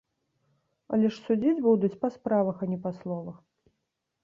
Але ж судзіць будуць па справах, а не па словах.